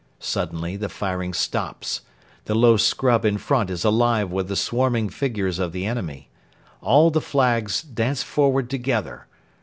Suddenly the firing stops. The low scrub in front is alive with the swarming figures of the enemy. All the flags dance forward together.